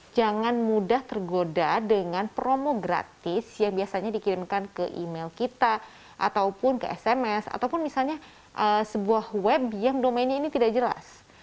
jangan mudah tergoda dengan promo gratis yang biasanya dikirimkan ke email kita ataupun ke sms ataupun misalnya sebuah web yang domainnya ini tidak jelas